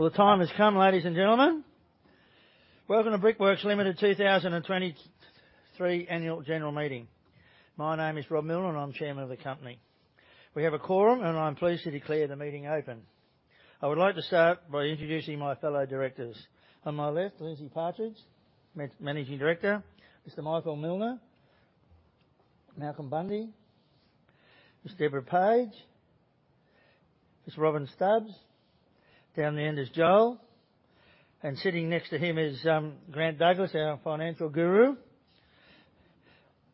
Good luck, boys and girls. Well, the time has come, ladies and gentlemen. Welcome to Brickworks Limited 2023 Annual General Meeting. My name is Rob Millner, and I'm chairman of the company. We have a quorum, and I'm pleased to declare the meeting open. I would like to start by introducing my fellow directors. On my left, Lindsay Partridge, managing director, Mr. Michael Millner, Malcolm Bundey, Ms. Deborah Page, Ms. Robyn Stubbs. Down the end is Joel, and sitting next to him is Grant Douglas, our financial guru.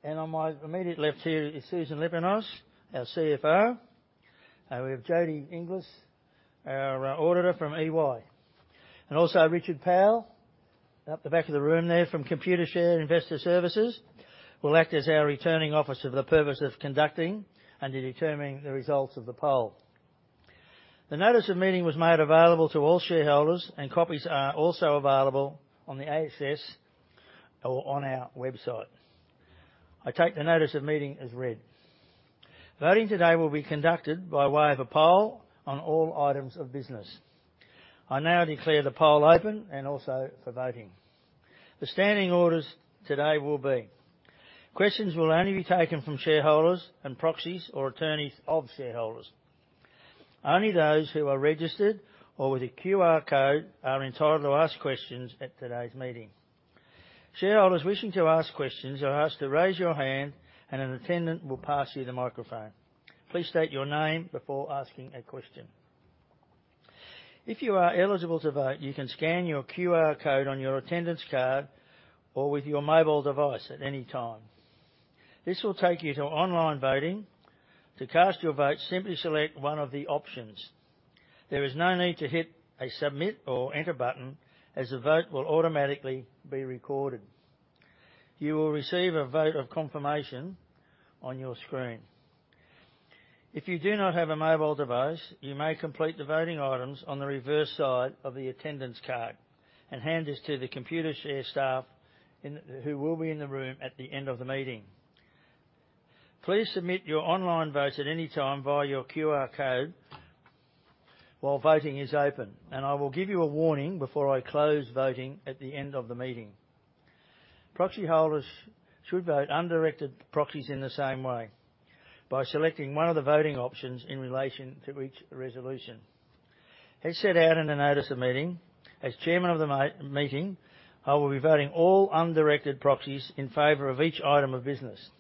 And on my immediate left here is Susan Leppinus, our CFO. We have Jodie Inglis, our auditor from EY, and also Richard Powell, out the back of the room there from Computershare Investor Services, will act as our returning officer for the purpose of conducting and determining the results of the poll. The notice of meeting was made available to all shareholders, and copies are also available on the ASX or on our website. I take the notice of meeting as read. Voting today will be conducted by way of a poll on all items of business. I now declare the poll open and also for voting. The standing orders today will be: Questions will only be taken from shareholders and proxies or attorneys of shareholders. Only those who are registered or with a QR code are entitled to ask questions at today's meeting. Shareholders wishing to ask questions are asked to raise your hand, and an attendant will pass you the microphone. Please state your name before asking a question. If you are eligible to vote, you can scan your QR code on your attendance card or with your mobile device at any time. This will take you to online voting. To cast your vote, simply select one of the options. There is no need to hit a Submit or Enter button, as the vote will automatically be recorded. You will receive a vote of confirmation on your screen. If you do not have a mobile device, you may complete the voting items on the reverse side of the attendance card and hand this to the Computershare staff in, who will be in the room at the end of the meeting. Please submit your online votes at any time via your QR code while voting is open, and I will give you a warning before I close voting at the end of the meeting. Proxy holders should vote undirected proxies in the same way, by selecting one of the voting options in relation to each resolution. As set out in the notice of meeting, as chairman of the meeting, I will be voting all undirected proxies in favor of each item of business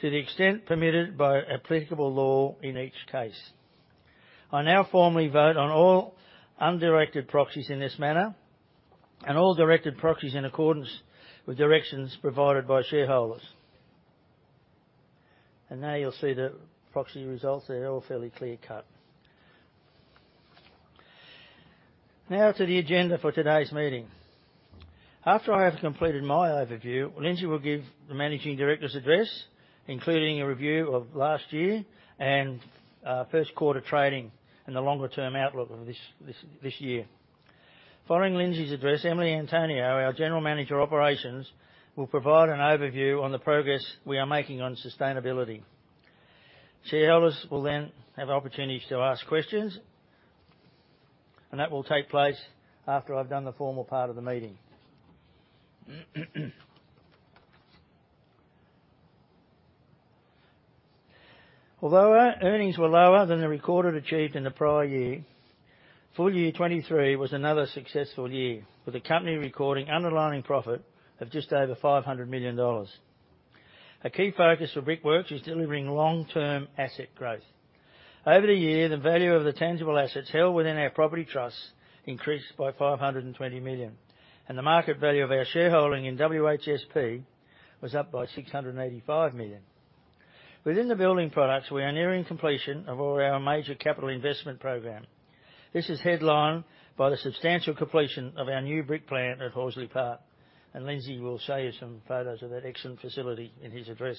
to the extent permitted by applicable law in each case. I now formally vote on all undirected proxies in this manner and all directed proxies in accordance with directions provided by shareholders. And now you'll see the proxy results there, all fairly clear-cut. Now to the agenda for today's meeting. After I have completed my overview, Lindsay will give the managing director's address, including a review of last year and first quarter trading and the longer-term outlook of this year. Following Lindsay's address, Emily Antonio, our General Manager Operations, will provide an overview on the progress we are making on sustainability. Shareholders will then have opportunities to ask questions, and that will take place after I've done the formal part of the meeting. Although our earnings were lower than the recorded achieved in the prior year, full year 2023 was another successful year, with the company recording underlying profit of just over 500 million dollars. A key focus for Brickworks is delivering long-term asset growth. Over the year, the value of the tangible assets held within our property trusts increased by 520 million, and the market value of our shareholding in WHSP was up by 685 million. Within the building products, we are nearing completion of all our major capital investment program. This is headlined by the substantial completion of our new brick plant at Horsley Park, and Lindsay will show you some photos of that excellent facility in his address.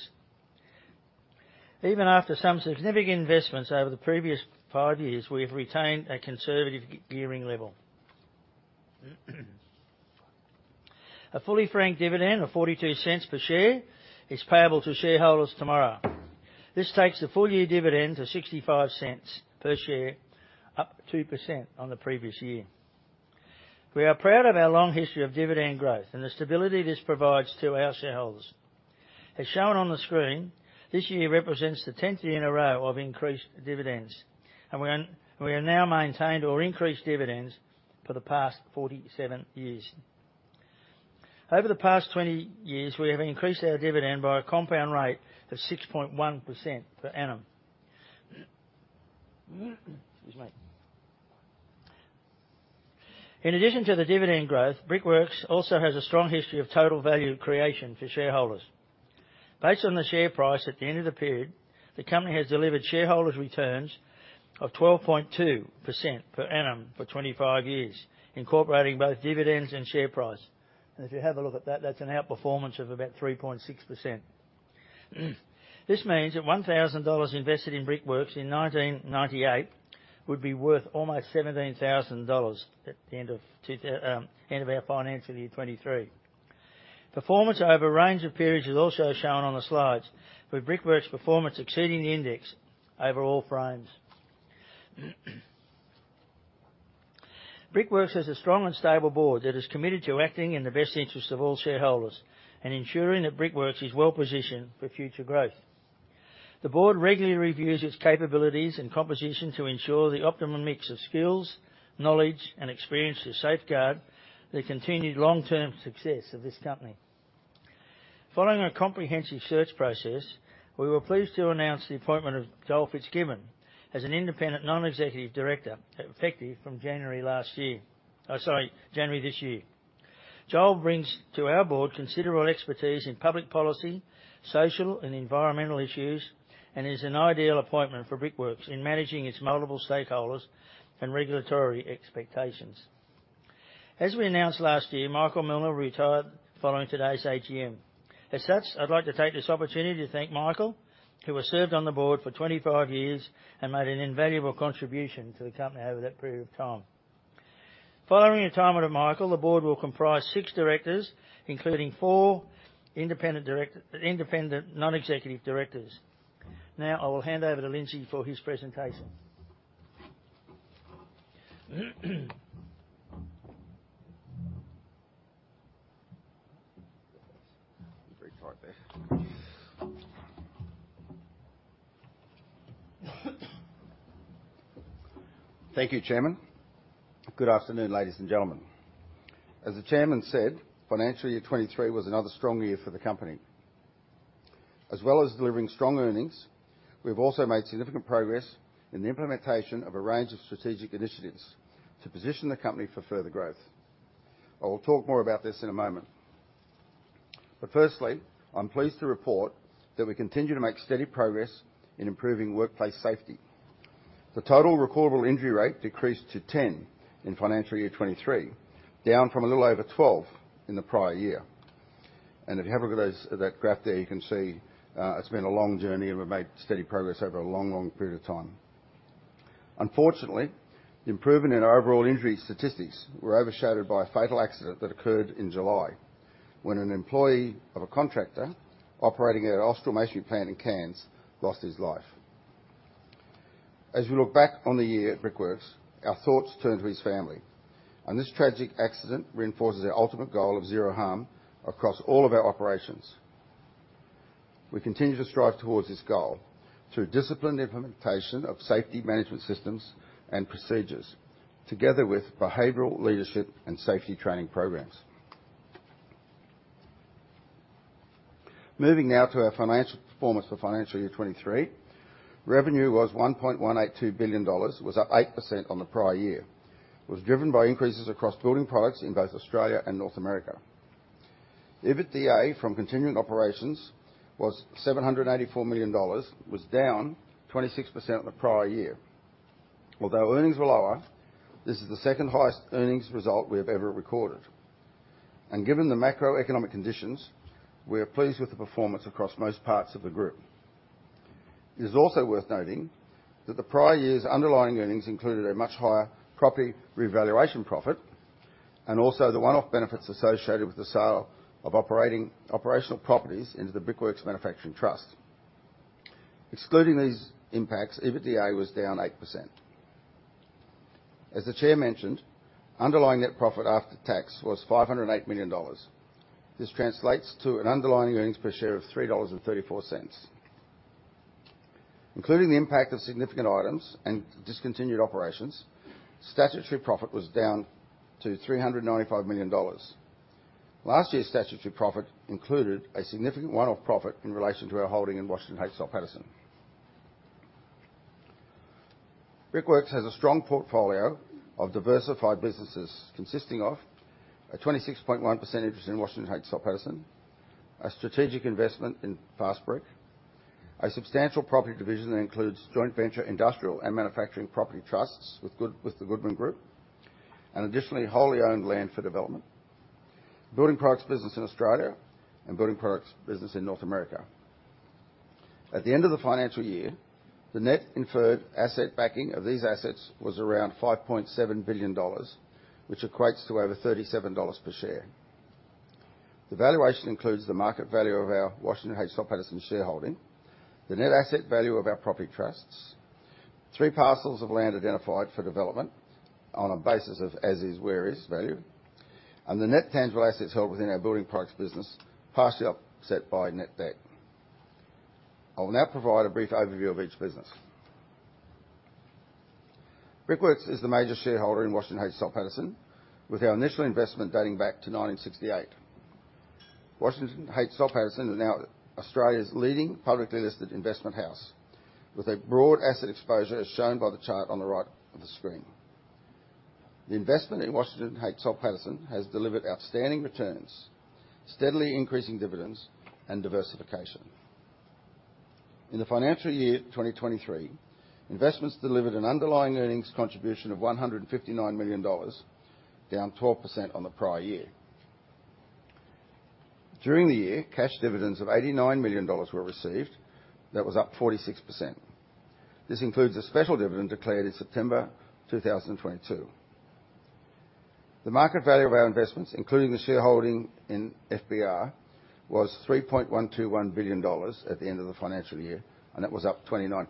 Even after some significant investments over the previous five years, we've retained a conservative gearing level. A fully franked dividend of 0.42 per share is payable to shareholders tomorrow. This takes the full-year dividend to 0.65 per share, up 2% on the previous year. We are proud of our long history of dividend growth and the stability this provides to our shareholders. As shown on the screen, this year represents the 10th year in a row of increased dividends, and we're, we have now maintained or increased dividends for the past 47 years. Over the past 20 years, we have increased our dividend by a compound rate of 6.1% per annum. Excuse me. In addition to the dividend growth, Brickworks also has a strong history of total value creation for shareholders. Based on the share price at the end of the period, the company has delivered shareholders' returns of 12.2% per annum for 25 years, incorporating both dividends and share price. And if you have a look at that, that's an outperformance of about 3.6%. This means that 1,000 dollars invested in Brickworks in 1998 would be worth almost 17,000 dollars at the end of our financial year 2023. Performance over a range of periods is also shown on the slides, with Brickworks' performance exceeding the index over all frames. Brickworks has a strong and stable board that is committed to acting in the best interest of all shareholders and ensuring that Brickworks is well positioned for future growth. The board regularly reviews its capabilities and composition to ensure the optimum mix of skills, knowledge, and experience to safeguard the continued long-term success of this company. Following a comprehensive search process, we were pleased to announce the appointment of Joel Fitzgibbon as an independent, non-executive director, effective from January last year. January this year. Joel brings to our board considerable expertise in public policy, social and environmental issues, and is an ideal appointment for Brickworks in managing its multiple stakeholders and regulatory expectations. As we announced last year, Michael Millner will retire following today's AGM. As such, I'd like to take this opportunity to thank Michael, who has served on the board for 25 years and made an invaluable contribution to the company over that period of time. Following the retirement of Michael, the board will comprise 6 directors, including four independent, non-executive directors. Now, I will hand over to Lindsay for his presentation. Very tight there. Thank you, Chairman. Good afternoon, ladies and gentlemen. As the chairman said, financial year 2023 was another strong year for the company. As well as delivering strong earnings, we've also made significant progress in the implementation of a range of strategic initiatives to position the company for further growth. I will talk more about this in a moment. But firstly, I'm pleased to report that we continue to make steady progress in improving workplace safety. The total recordable injury rate decreased to 10 in financial year 2023, down from a little over 12 in the prior year. And if you have a look at that graph there, you can see, it's been a long journey, and we've made steady progress over a long, long period of time. Unfortunately, the improvement in our overall injury statistics were overshadowed by a fatal accident that occurred in July, when an employee of a contractor operating at our Austral Masonry plant in Cairns lost his life. As we look back on the year at Brickworks, our thoughts turn to his family, and this tragic accident reinforces our ultimate goal of zero harm across all of our operations. We continue to strive towards this goal through disciplined implementation of safety management systems and procedures, together with behavioral leadership and safety training programs. Moving now to our financial performance for financial year 2023. Revenue was 1.182 billion dollars, up 8% on the prior year. It was driven by increases across building products in both Australia and North America. EBITDA from continuing operations was 784 million dollars, down 26% on the prior year. Although earnings were lower, this is the second highest earnings result we have ever recorded. Given the macroeconomic conditions, we are pleased with the performance across most parts of the group. It is also worth noting that the prior year's underlying earnings included a much higher property revaluation profit, and also the one-off benefits associated with the sale of operational properties into the Brickworks Manufacturing Trust. Excluding these impacts, EBITDA was down 8%. As the Chair mentioned, underlying net profit after tax was 508 million dollars. This translates to an underlying earnings per share of 3.34 dollars. Including the impact of significant items and discontinued operations, statutory profit was down to 395 million dollars. Last year's statutory profit included a significant one-off profit in relation to our holding in Washington H. Soul Pattinson. Brickworks has a strong portfolio of diversified businesses, consisting of a 26.1% interest in Washington H. Soul Pattinson, a strategic investment in Fastbrick, a substantial property division that includes joint venture industrial and manufacturing property trusts with the Goodman Group, and additionally, wholly owned land for development, building products business in Australia, and building products business in North America. At the end of the financial year, the net inferred asset backing of these assets was around 5.7 billion dollars, which equates to over 37 dollars per share. The valuation includes the market value of our Washington H. Soul Pattinson shareholding, the net asset value of our property trusts, three parcels of land identified for development on a basis of as is, where is value, and the net tangible assets held within our building products business, partially offset by net debt. I will now provide a brief overview of each business. Brickworks is the major shareholder in Washington H. Soul Pattinson, with our initial investment dating back to 1968. Washington H. Soul Pattinson is now Australia's leading publicly listed investment house, with a broad asset exposure, as shown by the chart on the right of the screen. The investment in Washington H. Soul Pattinson has delivered outstanding returns, steadily increasing dividends and diversification. In the financial year 2023, investments delivered an underlying earnings contribution of 159 million dollars, down 12% on the prior year. During the year, cash dividends of 89 million dollars were received. That was up 46%. This includes a special dividend declared in September 2022. The market value of our investments, including the shareholding in FBR, was 3.121 billion dollars at the end of the financial year, and that was up 29%.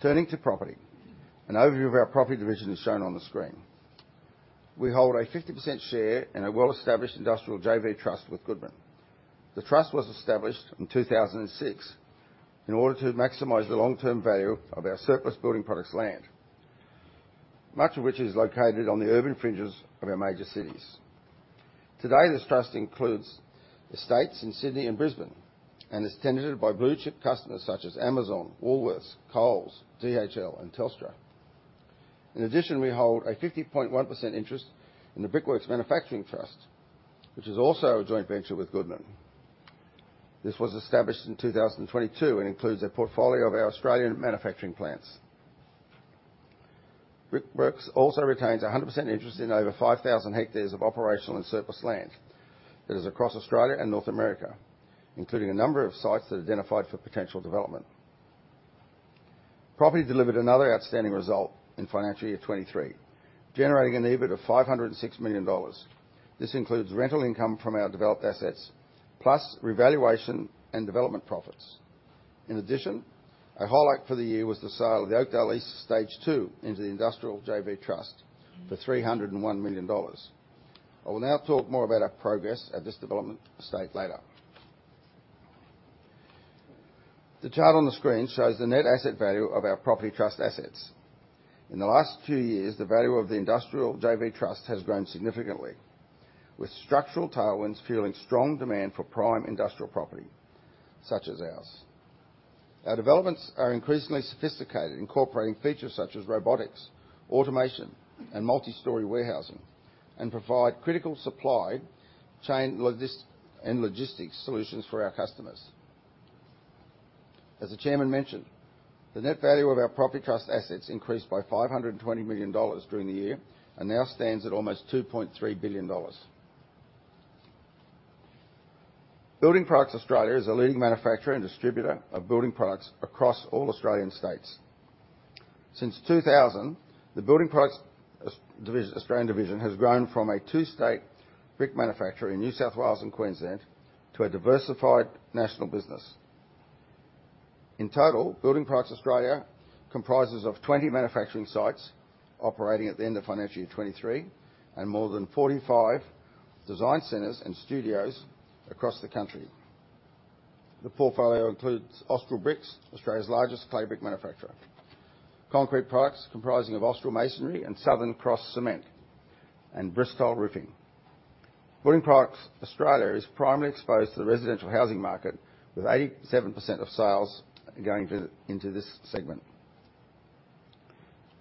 Turning to property, an overview of our property division is shown on the screen. We hold a 50% share in a well-established industrial JV trust with Goodman. The trust was established in 2006 in order to maximize the long-term value of our surplus building products land, much of which is located on the urban fringes of our major cities. Today, this trust includes estates in Sydney and Brisbane, and is tenanted by blue-chip customers such as Amazon, Woolworths, Coles, DHL and Telstra. In addition, we hold a 50.1% interest in the Brickworks Manufacturing Trust, which is also a joint venture with Goodman. This was established in 2022 and includes a portfolio of our Australian manufacturing plants. Brickworks also retains a 100% interest in over 5,000 hectares of operational and surplus land that is across Australia and North America, including a number of sites that are identified for potential development. Property delivered another outstanding result in financial year 2023, generating an EBIT of 506 million dollars. This includes rental income from our developed assets, plus revaluation and development profits. In addition, a highlight for the year was the sale of the Oakdale East Stage 2 into the Industrial JV Trust for 301 million dollars. I will now talk more about our progress at this development stage later. The chart on the screen shows the net asset value of our property trust assets. In the last two years, the value of the Industrial JV Trust has grown significantly, with structural tailwinds fueling strong demand for prime industrial property such as ours. Our developments are increasingly sophisticated, incorporating features such as robotics, automation, and multi-story warehousing, and provide critical supply chain and logistics solutions for our customers. As the chairman mentioned, the net value of our property trust assets increased by 520 million dollars during the year, and now stands at almost 2.3 billion dollars. Building Products Australia is a leading manufacturer and distributor of building products across all Australian states. Since 2000, the Building Products Australia Division has grown from a two-state brick manufacturer in New South Wales and Queensland to a diversified national business. In total, Building Products Australia comprises of 20 manufacturing sites operating at the end of financial year 2023, and more than 45 design centers and studios across the country. The portfolio includes Austral Bricks, Australia's largest clay brick manufacturer. Concrete products comprising of Austral Masonry and Southern Cross Cement and Bristile Roofing. Building Products Australia is primarily exposed to the residential housing market, with 87% of sales going to, into this segment.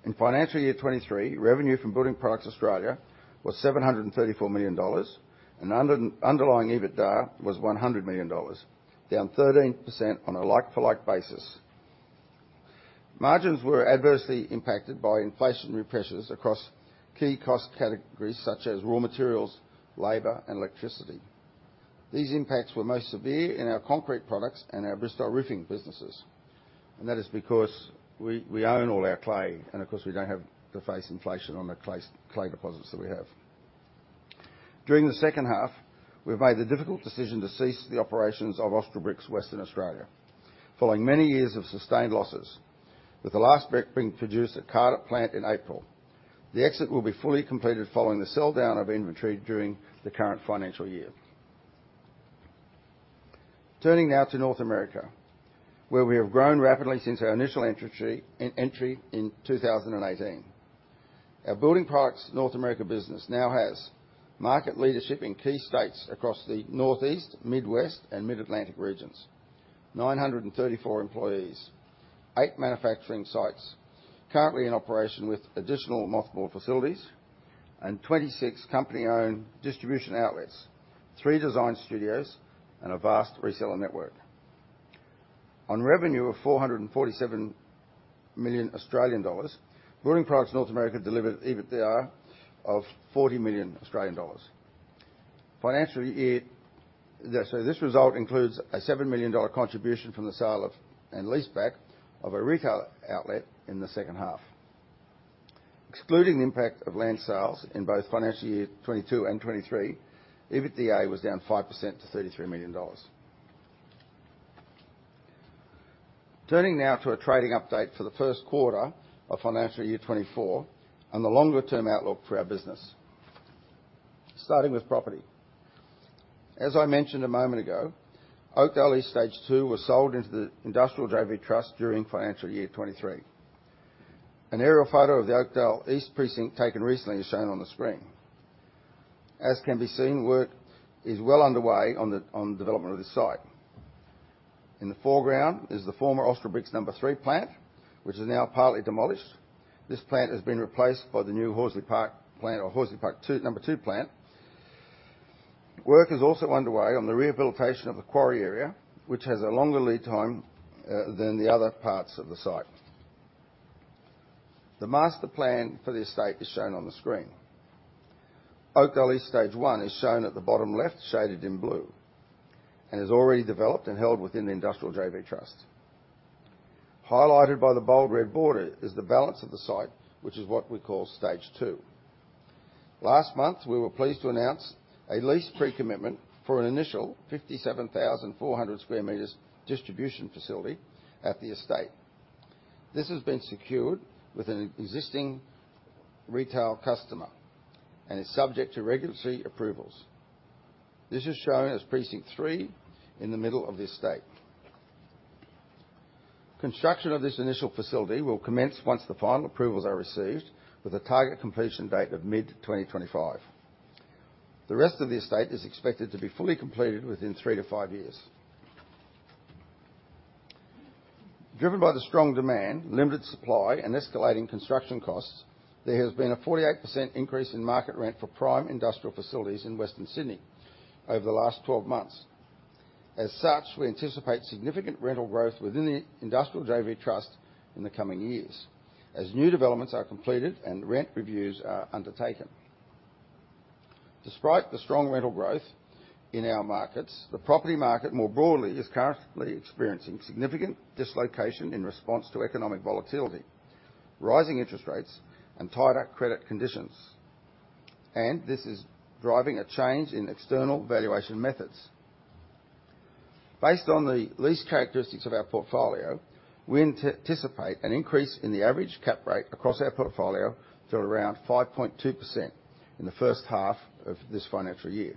In financial year 2023, revenue from Building Products Australia was 734 million dollars, and underlying EBITDA was 100 million dollars, down 13% on a like-for-like basis. Margins were adversely impacted by inflationary pressures across key cost categories such as raw materials, labor, and electricity. These impacts were most severe in our concrete products and our Bristile Roofing businesses, and that is because we, we own all our clay, and of course, we don't have to face inflation on the clay, clay deposits that we have. During the second half, we've made the difficult decision to cease the operations of Austral Bricks Western Australia, following many years of sustained losses. With the last brick being produced at Cardup Plant in April. The exit will be fully completed following the sell-down of inventory during the current financial year. Turning now to North America, where we have grown rapidly since our initial entry in 2018. Our Building Products North America business now has market leadership in key states across the Northeast, Midwest, and Mid-Atlantic regions. 934 employees, eight manufacturing sites currently in operation with additional mothball facilities, and 26 company-owned distribution outlets, three design studios, and a vast reseller network. On revenue of 447 million Australian dollars, Building Products North America delivered EBITDA of 40 million Australian dollars. Financial year. So this result includes a 7 million dollar contribution from the sale of, and leaseback of a retail outlet in the second half. Excluding the impact of land sales in both financial year 2022 and 2023, EBITDA was down 5% to 33 million dollars. Turning now to a trading update for the first quarter of financial year 2024, and the longer-term outlook for our business. Starting with property. As I mentioned a moment ago, Oakdale East Stage Two was sold into the Industrial JV Trust during financial year 2023. An aerial photo of the Oakdale East precinct, taken recently, is shown on the screen. As can be seen, work is well underway on development of this site. In the foreground is the former Austral Bricks number three plant, which is now partly demolished. This plant has been replaced by the new Horsley Park plant or Horsley Park two, number two plant. Work is also underway on the rehabilitation of the quarry area, which has a longer lead time than the other parts of the site. The master plan for the estate is shown on the screen. Oakdale East Stage One is shown at the bottom left, shaded in blue, and is already developed and held within the Industrial JV Trust. Highlighted by the bold red border is the balance of the site, which is what we call Stage Two. Last month, we were pleased to announce a lease pre-commitment for an initial 57,400 sq m distribution facility at the estate. This has been secured with an existing retail customer and is subject to regulatory approvals. This is shown as Precinct Three in the middle of the estate. Construction of this initial facility will commence once the final approvals are received, with a target completion date of mid-2025. The rest of the estate is expected to be fully completed within three-five years. Driven by the strong demand, limited supply, and escalating construction costs, there has been a 48% increase in market rent for prime industrial facilities in Western Sydney over the last 12 months. As such, we anticipate significant rental growth within the Industrial JV Trust in the coming years as new developments are completed and rent reviews are undertaken. Despite the strong rental growth in our markets, the property market, more broadly, is currently experiencing significant dislocation in response to economic volatility, rising interest rates, and tighter credit conditions, and this is driving a change in external valuation methods. Based on the lease characteristics of our portfolio, we anticipate an increase in the average cap rate across our portfolio to around 5.2% in the first half of this financial year.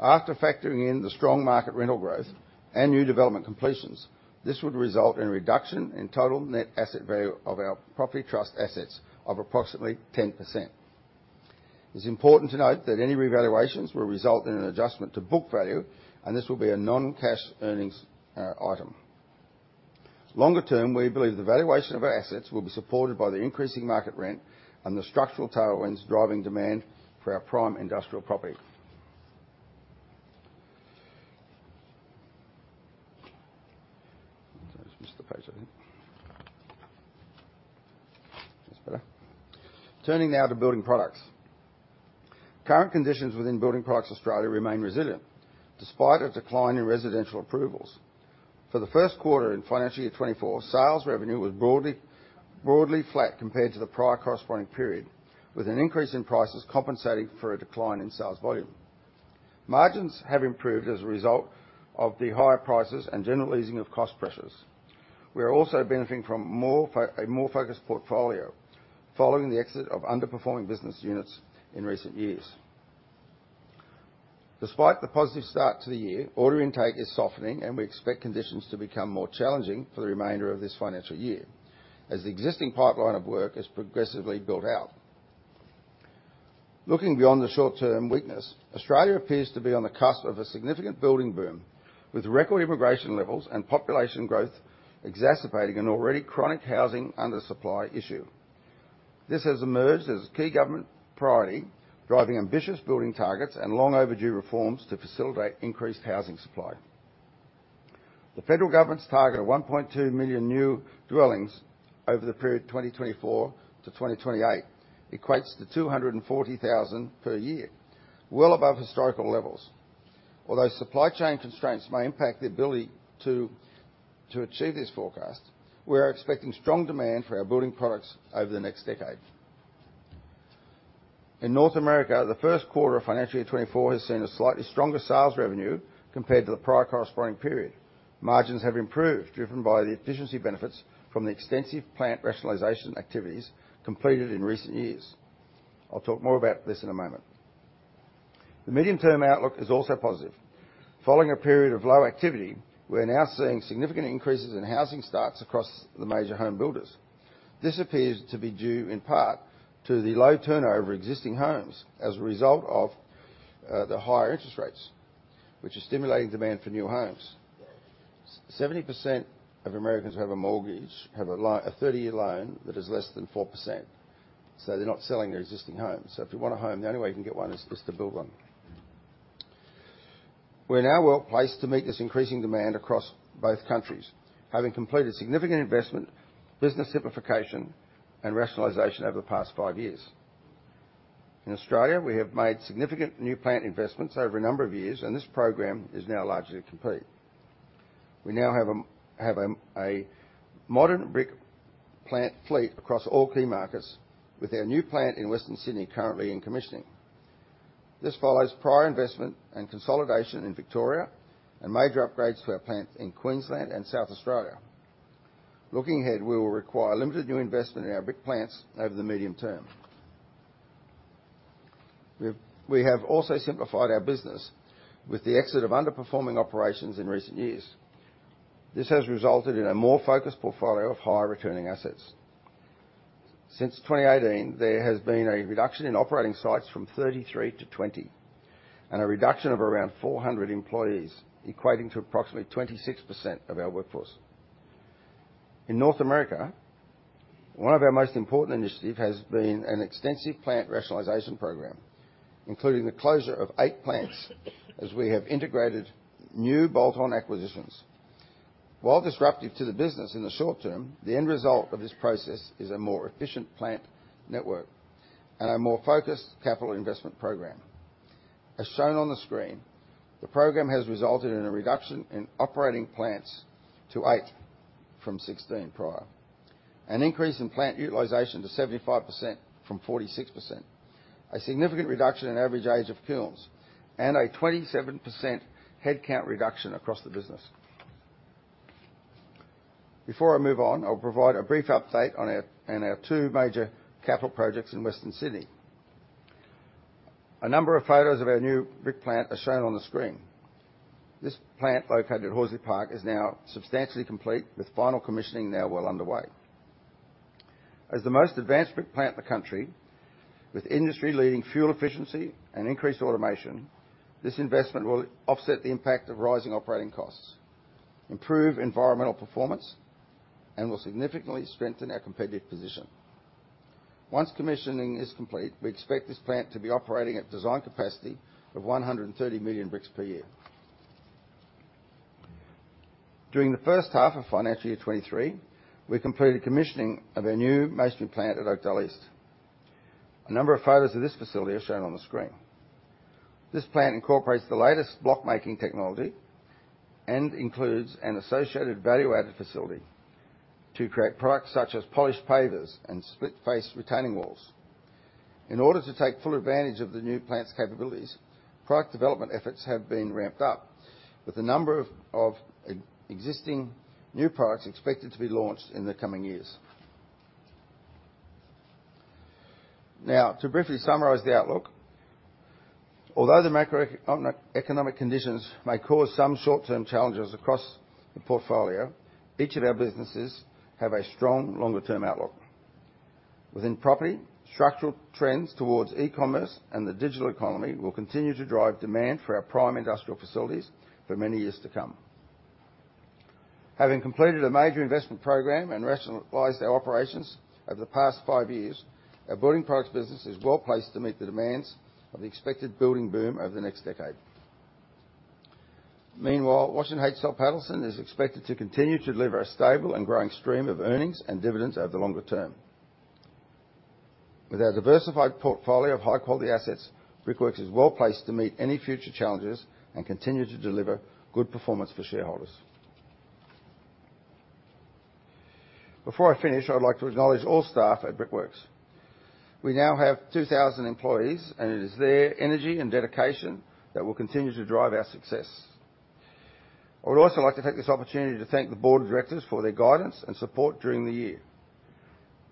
After factoring in the strong market rental growth and new development completions, this would result in a reduction in total net asset value of our property trust assets of approximately 10%. It's important to note that any revaluations will result in an adjustment to book value, and this will be a non-cash earnings item. Longer term, we believe the valuation of our assets will be supported by the increasing market rent and the structural tailwinds driving demand for our prime industrial property. I just missed a page, I think. That's better. Turning now to building products. Current conditions within Building Products Australia remain resilient, despite a decline in residential approvals. For the first quarter in financial year 2024, sales revenue was broadly, broadly flat compared to the prior corresponding period, with an increase in prices compensating for a decline in sales volume. Margins have improved as a result of the higher prices and general easing of cost pressures. We are also benefiting from a more focused portfolio following the exit of underperforming business units in recent years. Despite the positive start to the year, order intake is softening, and we expect conditions to become more challenging for the remainder of this financial year as the existing pipeline of work is progressively built out. Looking beyond the short-term weakness, Australia appears to be on the cusp of a significant building boom, with record immigration levels and population growth exacerbating an already chronic housing under supply issue. This has emerged as a key government priority, driving ambitious building targets and long overdue reforms to facilitate increased housing supply. The federal government's target of 1.2 million new dwellings over the period 2024 to 2028 equates to 240,000 per year, well above historical levels. Although supply chain constraints may impact the ability to achieve this forecast, we are expecting strong demand for our building products over the next decade. In North America, the first quarter of financial year 2024 has seen a slightly stronger sales revenue compared to the prior corresponding period. Margins have improved, driven by the efficiency benefits from the extensive plant rationalization activities completed in recent years. I'll talk more about this in a moment. The medium-term outlook is also positive. Following a period of low activity, we're now seeing significant increases in housing starts across the major home builders. This appears to be due in part to the low turnover of existing homes as a result of the higher interest rates, which are stimulating demand for new homes. 70% of Americans who have a mortgage have a 30-year loan that is less than 4%, so they're not selling their existing homes. So if you want a home, the only way you can get one is to build one. We're now well placed to meet this increasing demand across both countries, having completed significant investment, business simplification, and rationalization over the past five years. In Australia, we have made significant new plant investments over a number of years, and this program is now largely complete. We now have a modern brick plant fleet across all key markets, with our new plant in Western Sydney currently in commissioning. This follows prior investment and consolidation in Victoria, and major upgrades to our plant in Queensland and South Australia. Looking ahead, we will require limited new investment in our brick plants over the medium term. We've also simplified our business with the exit of underperforming operations in recent years. This has resulted in a more focused portfolio of higher-returning assets. Since 2018, there has been a reduction in operating sites from 33 to 20, and a reduction of around 400 employees, equating to approximately 26% of our workforce. In North America, one of our most important initiatives has been an extensive plant rationalization program, including the closure of eight plants as we have integrated new bolt-on acquisitions. While disruptive to the business in the short term, the end result of this process is a more efficient plant network and a more focused capital investment program. As shown on the screen, the program has resulted in a reduction in operating plants to eight from 16 prior, an increase in plant utilization to 75% from 46%, a significant reduction in average age of kilns, and a 27% headcount reduction across the business. Before I move on, I'll provide a brief update on our two major capital projects in Western Sydney. A number of photos of our new brick plant are shown on the screen. This plant, located at Horsley Park, is now substantially complete, with final commissioning now well underway. As the most advanced brick plant in the country, with industry-leading fuel efficiency and increased automation, this investment will offset the impact of rising operating costs, improve environmental performance, and will significantly strengthen our competitive position. Once commissioning is complete, we expect this plant to be operating at design capacity of 130 million bricks per year. During the first half of financial year 2023, we completed commissioning of our new masonry plant at Oakdale East. A number of photos of this facility are shown on the screen. This plant incorporates the latest block-making technology and includes an associated value-added facility to create products such as polished pavers and split-face retaining walls. In order to take full advantage of the new plant's capabilities, product development efforts have been ramped up, with a number of exciting new products expected to be launched in the coming years. Now, to briefly summarize the outlook: although the macroeconomic conditions may cause some short-term challenges across the portfolio, each of our businesses have a strong longer-term outlook. Within property, structural trends towards e-commerce and the digital economy will continue to drive demand for our prime industrial facilities for many years to come. Having completed a major investment program and rationalized our operations over the past five years, our building products business is well placed to meet the demands of the expected building boom over the next decade. Meanwhile, Washington H. Soul Pattinson is expected to continue to deliver a stable and growing stream of earnings and dividends over the longer term. With our diversified portfolio of high-quality assets, Brickworks is well placed to meet any future challenges and continue to deliver good performance for shareholders. Before I finish, I'd like to acknowledge all staff at Brickworks. We now have 2,000 employees, and it is their energy and dedication that will continue to drive our success. I would also like to take this opportunity to thank the board of directors for their guidance and support during the year.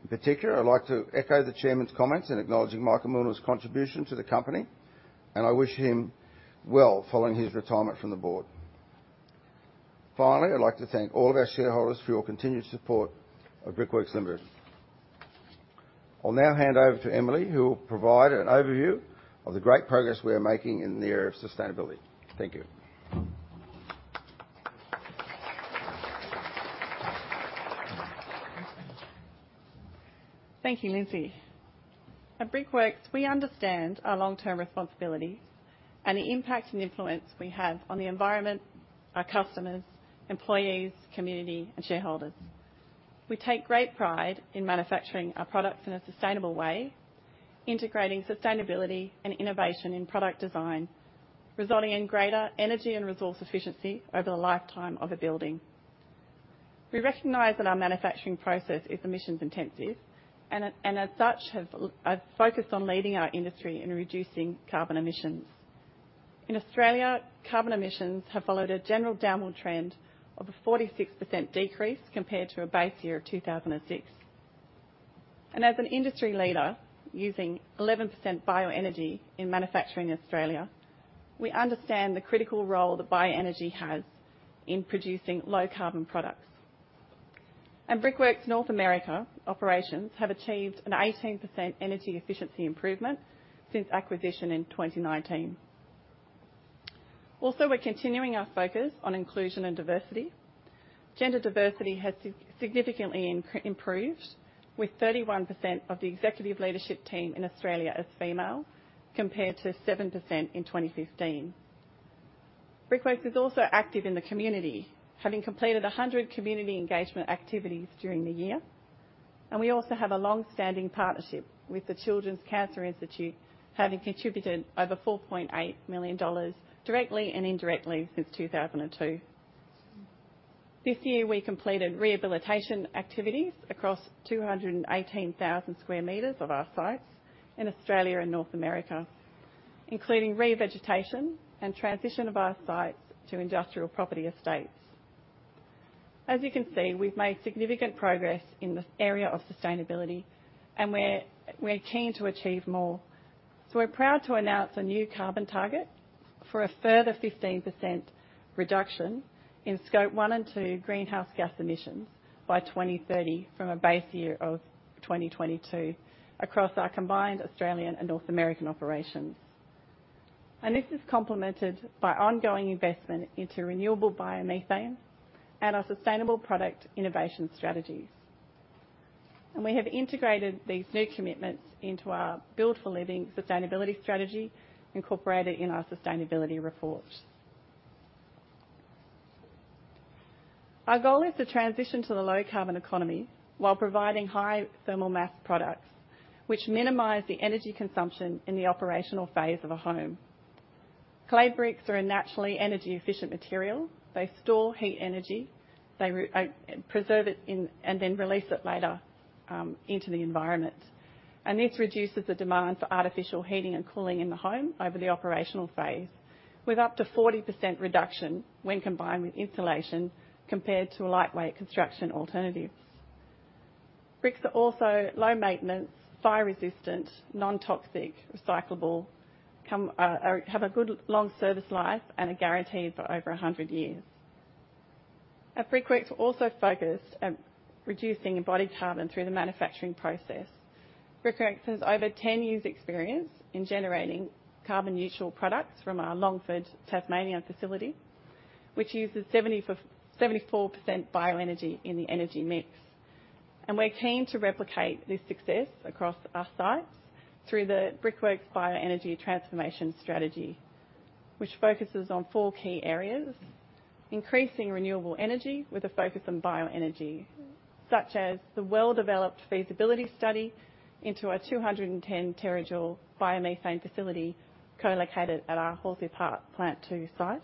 In particular, I'd like to echo the chairman's comments in acknowledging Michael Millner's contribution to the company, and I wish him well following his retirement from the board. Finally, I'd like to thank all of our shareholders for your continued support of Brickworks Limited. I'll now hand over to Emily, who will provide an overview of the great progress we are making in the area of sustainability. Thank you. Thank you, Lindsay. At Brickworks, we understand our long-term responsibility and the impact and influence we have on the environment, our customers, employees, community, and shareholders. We take great pride in manufacturing our products in a sustainable way, integrating sustainability and innovation in product design, resulting in greater energy and resource efficiency over the lifetime of a building. We recognize that our manufacturing process is emissions intensive and as such, have focused on leading our industry in reducing carbon emissions. In Australia, carbon emissions have followed a general downward trend of a 46% decrease compared to a base year of 2006. As an industry leader, using 11% bioenergy in manufacturing in Australia, we understand the critical role that bioenergy has in producing low-carbon products. Brickworks North America operations have achieved an 18% energy efficiency improvement since acquisition in 2019. Also, we're continuing our focus on inclusion and diversity. Gender diversity has significantly improved, with 31% of the executive leadership team in Australia as female, compared to 7% in 2015. Brickworks is also active in the community, having completed 100 community engagement activities during the year, and we also have a long-standing partnership with the Children's Cancer Institute, having contributed over 4.8 million dollars directly and indirectly since 2002. This year, we completed rehabilitation activities across 218,000 square meters of our sites in Australia and North America, including revegetation and transition of our sites to industrial property estates. As you can see, we've made significant progress in the area of sustainability, and we're keen to achieve more. We're proud to announce a new carbon target for a further 15% reduction in Scope One and Two greenhouse gas emissions by 2030, from a base year of 2022, across our combined Australian and North American operations. This is complemented by ongoing investment into renewable Biomethane and our sustainable product innovation strategies, and we have integrated these new commitments into our Build for Living sustainability strategy, incorporated in our sustainability report. Our goal is to transition to the low-carbon economy while providing high thermal mass products, which minimize the energy consumption in the operational phase of a home. Clay bricks are a naturally energy-efficient material. They store heat energy, they preserve it in, and then release it later into the environment. This reduces the demand for artificial heating and cooling in the home over the operational phase, with up to 40% reduction when combined with insulation, compared to lightweight construction alternatives. Bricks are also low-maintenance, fire-resistant, non-toxic, recyclable, have a good long service life, and are guaranteed for over 100 years. At Brickworks, we're also focused at reducing embodied carbon through the manufacturing process. Brickworks has over 10 years' experience in generating carbon-neutral products from our Longford Tasmanian facility, which uses 74, 74% bioenergy in the energy mix. We're keen to replicate this success across our sites through the Brickworks Bioenergy Transformation Strategy, which focuses on four key areas: increasing renewable energy with a focus on bioenergy, such as the well-developed feasibility study into our 210 terajoule biomethane facility, co-located at our Horsley Park Plant Two site.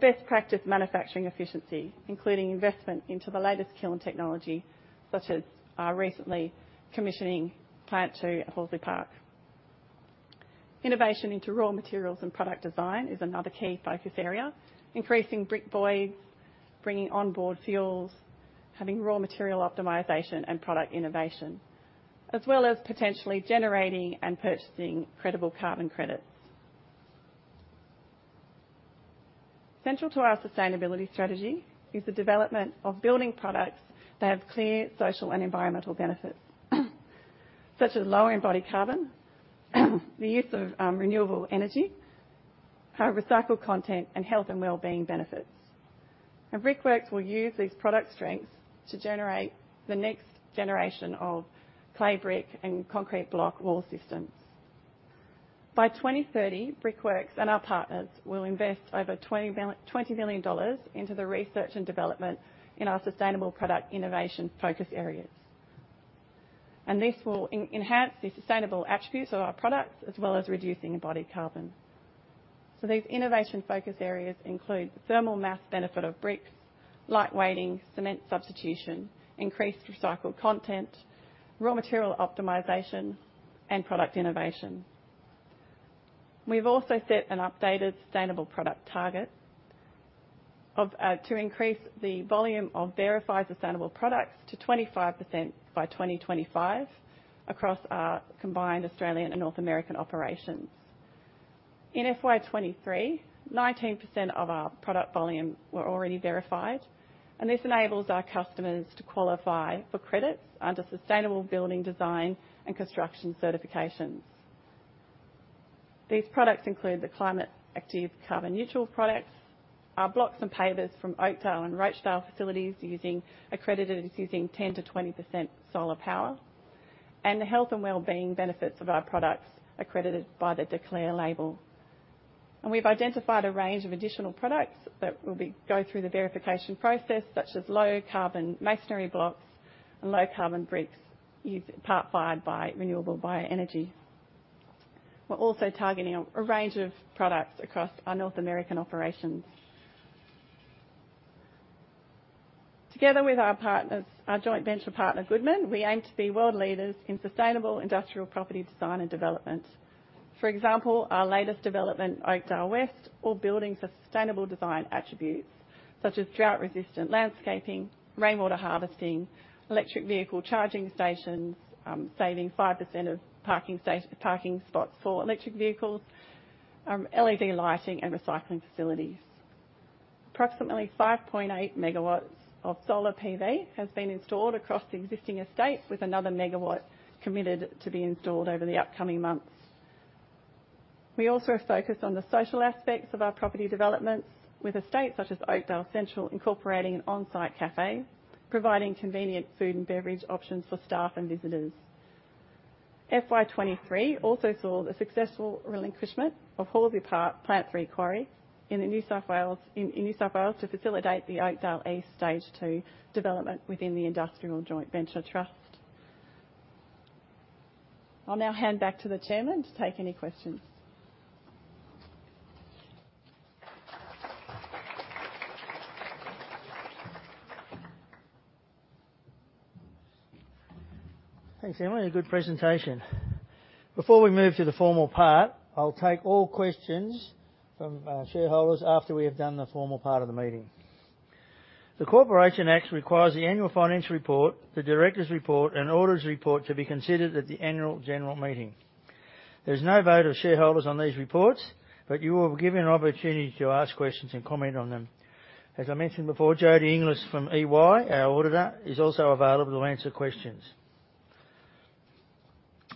Best practice manufacturing efficiency, including investment into the latest kiln technology, such as our recently commissioning Plant Two at Horsley Park. Innovation into raw materials and product design is another key focus area, increasing brick voids, bringing on board fuels, having raw material optimization and product innovation, as well as potentially generating and purchasing credible carbon credits. Central to our sustainability strategy is the development of building products that have clear social and environmental benefits, such as lower embodied carbon, the use of renewable energy, high recycled content, and health and well-being benefits. Brickworks will use these product strengths to generate the next generation of clay brick and concrete block wall systems. By 2030, Brickworks and our partners will invest over 20 billion dollars into the research and development in our sustainable product innovation focus areas. This will enhance the sustainable attributes of our products, as well as reducing embodied carbon. These innovation focus areas include the thermal mass benefit of bricks, lightweighting, cement substitution, increased recycled content, raw material optimization, and product innovation. We've also set an updated sustainable product target of to increase the volume of verified sustainable products to 25% by 2025 across our combined Australian and North American operations. In FY 2023, 19% of our product volume were already verified, and this enables our customers to qualify for credits under sustainable building design and construction certifications. These products include the Climate Active carbon-neutral products, our blocks and pavers from Oakdale and Rochedale facilities using, accredited as using 10%-20% solar power, and the health and well-being benefits of our products accredited by the Declare label. We've identified a range of additional products that will go through the verification process, such as low-carbon masonry blocks and low-carbon bricks part-fired by renewable bioenergy. We're also targeting a range of products across our North American operations. Together with our partners, our joint venture partner, Goodman, we aim to be world leaders in sustainable industrial property design and development. For example, our latest development, Oakdale West, all buildings have sustainable design attributes such as drought-resistant landscaping, rainwater harvesting, electric vehicle charging stations, saving 5% of parking spots for electric vehicles, LED lighting, and recycling facilities. Approximately 5.8 megawatts of solar PV has been installed across the existing estate, with another megawatt committed to be installed over the upcoming months. We also are focused on the social aspects of our property developments, with estates such as Oakdale Central incorporating an on-site cafe, providing convenient food and beverage options for staff and visitors. FY 2023 also saw the successful relinquishment of Horsley Park Plant 3 Quarry in New South Wales to facilitate the Oakdale East Stage Two development within the industrial joint venture trust. I'll now hand back to the chairman to take any questions. Thanks, Emily. A good presentation. Before we move to the formal part, I'll take all questions from shareholders after we have done the formal part of the meeting. The Corporations Act requires the annual financial report, the directors' report, and auditors' report to be considered at the annual general meeting. There's no vote of shareholders on these reports, but you will be given an opportunity to ask questions and comment on them. As I mentioned before, Jodie Inglis from EY, our auditor, is also available to answer questions.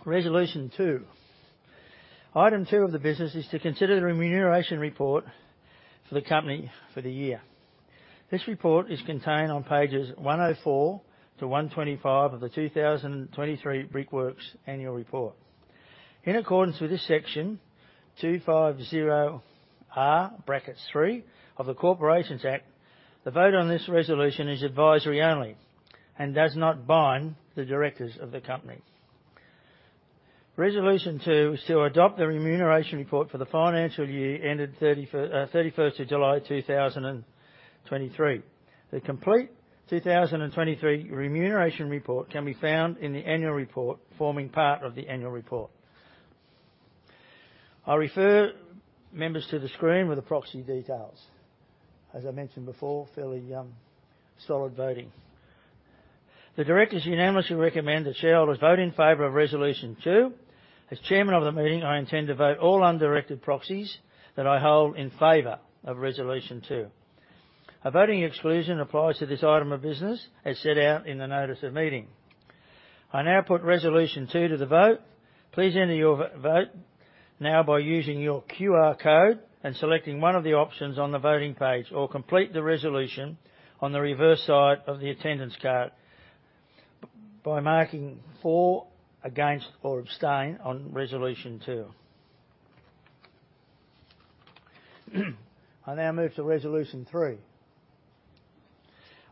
Resolution two. Item two of the business is to consider the remuneration report for the company for the year. This report is contained on pages 104 to 125 of the 2023 Brickworks annual report. In accordance with Section 250R(3) of the Corporations Act, the vote on this resolution is advisory only and does not bind the directors of the company. Resolution two is to adopt the remuneration report for the financial year ended 31st of July 2023. The complete 2023 remuneration report can be found in the annual report, forming part of the annual report. I refer members to the screen with the proxy details. As I mentioned before, fairly, solid voting. The directors unanimously recommend that shareholders vote in favor of Resolution two. As chairman of the meeting, I intend to vote all undirected proxies that I hold in favor of Resolution two. A voting exclusion applies to this item of business, as set out in the notice of meeting. I now put Resolution two to the vote. Please enter your vote now by using your QR code and selecting one of the options on the voting page, or complete the resolution on the reverse side of the attendance card by marking For, Against, or Abstain on Resolution two. I now move to Resolution three.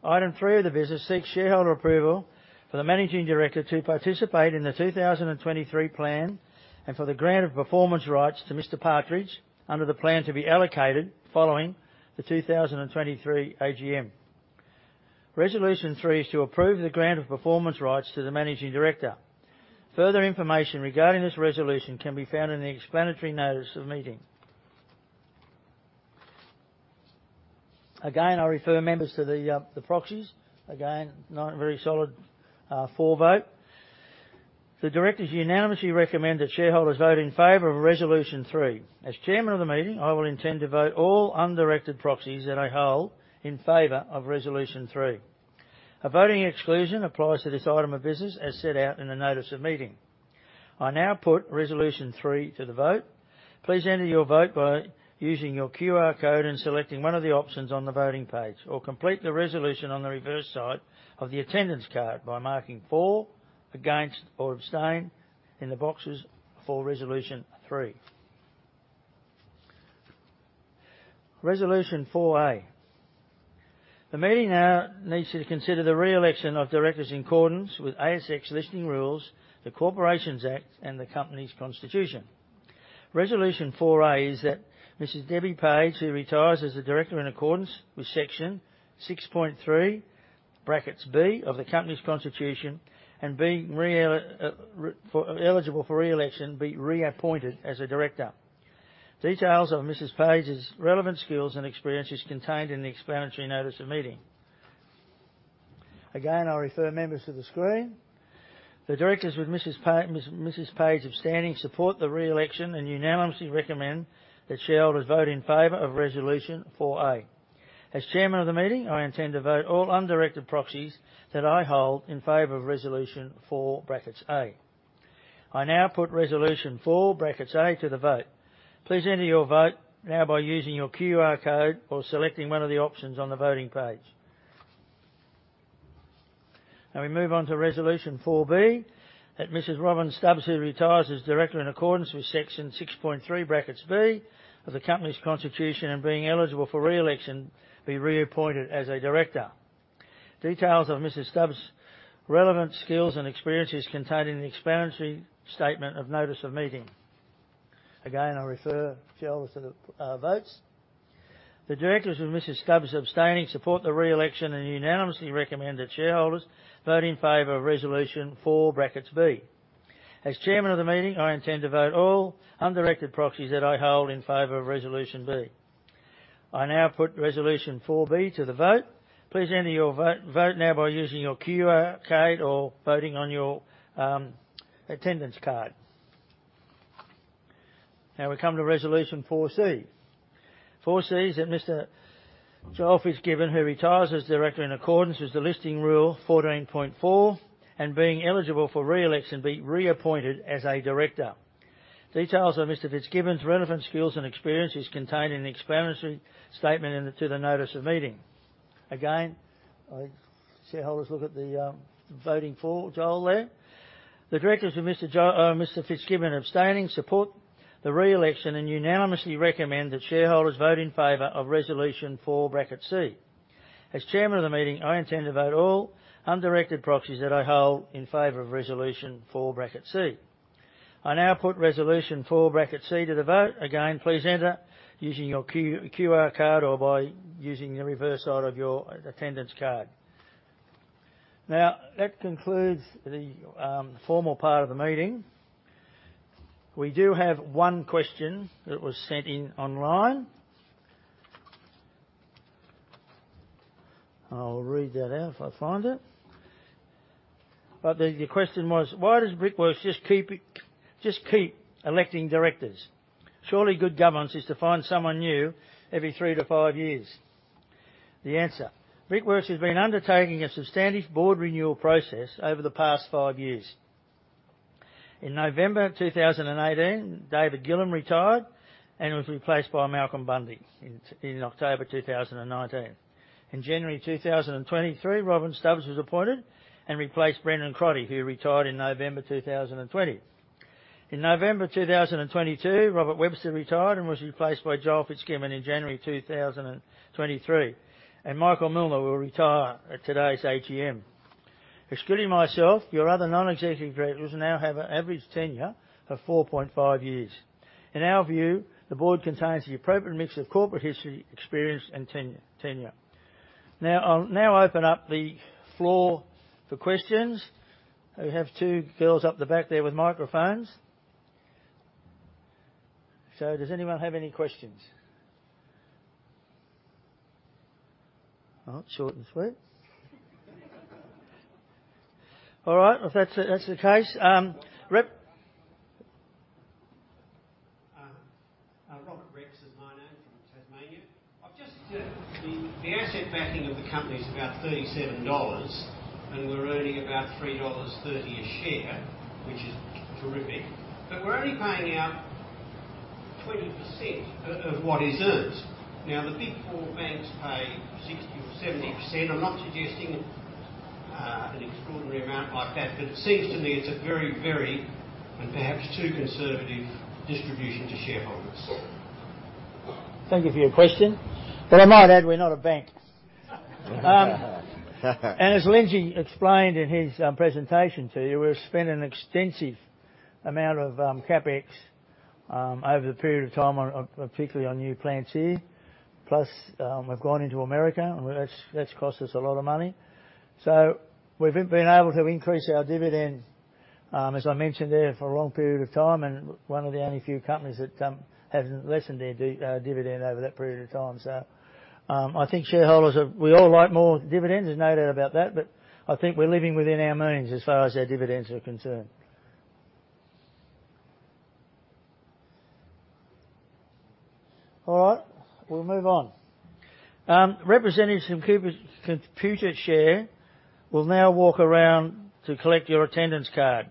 Item three of the business seeks shareholder approval for the managing director to participate in the 2023 plan and for the grant of performance rights to Mr. Partridge under the plan to be allocated following the 2023 AGM. Resolution three is to approve the grant of performance rights to the managing director. Further information regarding this resolution can be found in the explanatory notice of meeting. Again, I refer members to the proxies. Again, not a very solid For vote. The directors unanimously recommend that shareholders vote in favor of Resolution three. As chairman of the meeting, I will intend to vote all undirected proxies that I hold in favor of Resolution three. A voting exclusion applies to this item of business as set out in the notice of meeting. I now put Resolution three to the vote. Please enter your vote by using your QR code and selecting one of the options on the voting page, or complete the resolution on the reverse side of the attendance card by marking For, Against, or Abstain in the boxes for Resolution three. Resolution 4A. The meeting now needs to consider the re-election of directors in accordance with ASX Listing Rules, the Corporations Act, and the company's constitution. Resolution 4A is that Mrs. Deborah Page, who retires as a director in accordance with Section 6.3 (B) of the company's constitution and being eligible for re-election, be reappointed as a director. Details of Mrs. Page's relevant skills and experience is contained in the explanatory notice of meeting. Again, I refer members to the screen. The directors with Mrs. Page standing support the re-election and unanimously recommend that shareholders vote in favor of Resolution 4A. As chairman of the meeting, I intend to vote all undirected proxies that I hold in favor of Resolution 4 (A). I now put Resolution 4 (A) to the vote. Please enter your vote now by using your QR code or selecting one of the options on the voting page. Now, we move on to Resolution 4B, that Mrs. Robyn Stubbs, who retires as director in accordance with Section 6.3 (B) of the company's constitution and being eligible for re-election, be reappointed as a director. Details of Mrs. Stubbs' relevant skills and experience is contained in the explanatory statement of notice of meeting. Again, I refer shareholders to the votes. The directors with Mrs. Stubbs abstaining support the re-election and unanimously recommend that shareholders vote in favor of Resolution 4 (B). As chairman of the meeting, I intend to vote all undirected proxies that I hold in favor of Resolution 4B. I now put Resolution 4B to the vote. Please enter your vote, vote now by using your QR code or voting on your attendance card. Now, we come to Resolution 4C. 4 (C) is that Mr. Joel Fitzgibbon, who retires as director in accordance with the Listing Rule 14.4, and being eligible for re-election, be reappointed as a director. Details of Mr. Fitzgibbon's relevant skills and experience is contained in the explanatory statement to the notice of meeting. Again, shareholders look at the voting for Joel there. The directors with Mr. Fitzgibbon abstaining support the re-election and unanimously recommend that shareholders vote in favor of Resolution 4 (C). As chairman of the meeting, I intend to vote all undirected proxies that I hold in favor of Resolution 4 (C). I now put Resolution 4 (C) to the vote. Again, please enter using your QR code or by using the reverse side of your attendance card. Now, that concludes the formal part of the meeting. We do have one question that was sent in online. I'll read that out if I find it. But the question was: "Why does Brickworks just keep it, just keep electing directors? Surely, good governance is to find someone new every three to five years." The answer: Brickworks has been undertaking a substantial board renewal process over the past five years. In November 2018, David Gilham retired and was replaced by Malcolm Bundey in October 2019. In January 2023, Robyn Stubbs was appointed and replaced Brendan Crotty, who retired in November 2020. In November 2022, Robert Webster retired and was replaced by Joel Fitzgibbon in January 2023, and Michael Millner will retire at today's AGM. Excluding myself, your other non-executive directors now have an average tenure of 4.5 years. In our view, the board contains the appropriate mix of corporate history, experience, and tenure, tenure. Now, I'll now open up the floor for questions. I have two girls up the back there with microphones. So does anyone have any questions? Well, short and sweet. All right, if that's the case, Rep- Robert Rex is my name, from Tasmania. I've just... The asset backing of the company is about 37 dollars, and we're earning about 3.30 dollars a share, which is terrific, but we're only paying out 20% of what is earned. Now, the Big Four banks pay 60% or 70%. I'm not suggesting an extraordinary amount like that, but it seems to me it's a very, very, and perhaps too conservative distribution to shareholders. Thank you for your question. But I might add, we're not a bank. And as Lindsay explained in his presentation to you, we've spent an extensive amount of CapEx over the period of time on, particularly on new plants here. Plus, we've gone into America, and that's cost us a lot of money. So we've been able to increase our dividends, as I mentioned there, for a long period of time, and one of the only few companies that hasn't lessened their dividend over that period of time. So, I think shareholders are... We all like more dividends, there's no doubt about that, but I think we're living within our means as far as our dividends are concerned. All right, we'll move on. Representatives from Computershare will now walk around to collect your attendance card.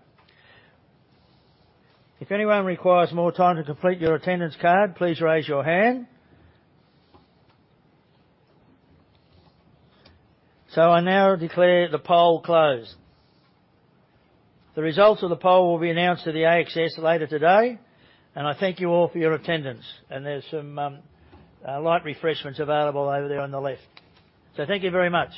If anyone requires more time to complete your attendance card, please raise your hand. So I now declare the poll closed. The results of the poll will be announced to the ASX later today, and I thank you all for your attendance. There's some light refreshments available over there on the left. Thank you very much.